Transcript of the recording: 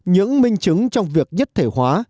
những minh chứng trong việc nhất thể hóa